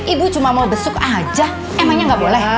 ibu cuma mau besuk aja emangnya nggak boleh ya